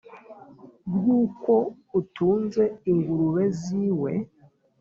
Rw'ukwo utunze ingurube z'iwe,